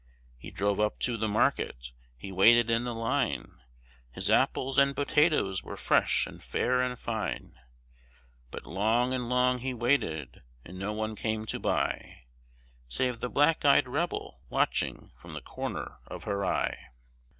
He drove up to the market, he waited in the line; His apples and potatoes were fresh and fair and fine; But long and long he waited, and no one came to buy, Save the black eyed rebel, watching from the corner of her eye.